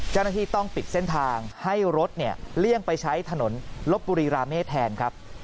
เจ้าหน้าที่ต้องปิดเส้นทางให้รถเลี่ยงไปใช้ถนนลบบุรีราเมฆแทนครับ